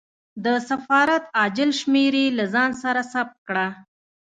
د سفارت عاجل شمېرې له ځان سره ثبت کړه.